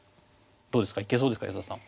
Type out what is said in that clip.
どうですかいけそうですか安田さん。